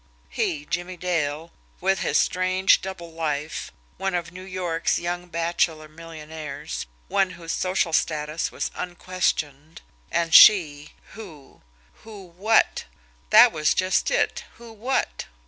He, Jimmie Dale, with his strange double life, one of New York's young bachelor millionaires, one whose social status was unquestioned; and she, who who WHAT? That was just it! Who what?